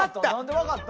分かった！